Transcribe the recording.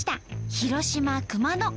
広島熊野。